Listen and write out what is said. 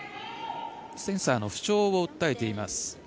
センサーの不調を訴えています